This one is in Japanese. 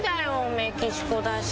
メキシコだし。